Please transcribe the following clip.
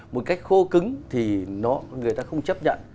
một cách khô cứng thì người ta không chấp nhận